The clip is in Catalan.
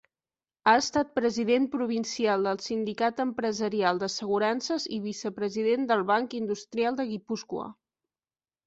Ha estat President Provincial del Sindicat Empresarial d'Assegurances i vicepresident del Banc Industrial de Guipúscoa.